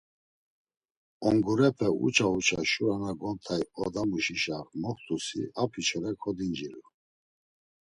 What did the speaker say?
Ongurepe uça uça, şura na gont̆ay odamuşişa moxt̆usi apiçoraşi kodincinu.